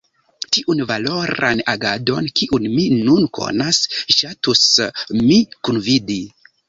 Tiun valoran agadon kiun mi nun konas ŝatus mi kundividi.